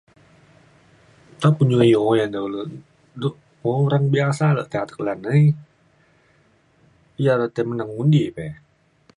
nta pe un iu iu oyan e kulu du orang biasa le atek lan aie ia re tai menang undi peh